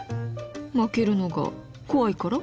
負けるのが怖いから。